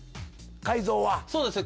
改造はそうですね